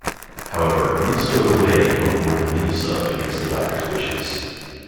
However, Ruth stowed away on board the mini-sub against the Doctor's wishes.